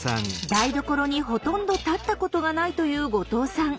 台所にほとんど立ったことがないという後藤さん。